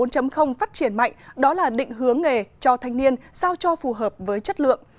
phát triển mạnh đó là định hướng nghề cho thanh niên sao cho phù hợp với chất lượng